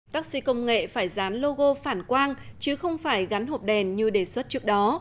taxi công nghệ phải dán logo phản quang chứ không phải gắn hộp đèn như đề xuất trước đó